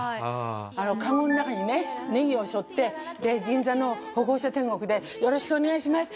カゴの中にねネギを背負って銀座の歩行者天国で「よろしくお願いします」